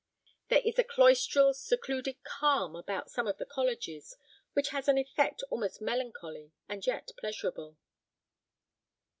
There is a cloistral, secluded calm about some of the colleges, which has an effect almost melancholy and yet pleasurable."